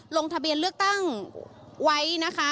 ลงทะเบียนเลือกตั้งไว้นะคะ